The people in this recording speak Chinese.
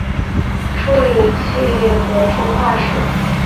处理器核初始化